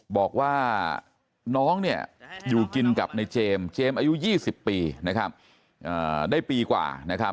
บอกว่าน้องอยู่กินกับในเจมส์เจมส์อายุ๒๐ปีได้ปีกว่า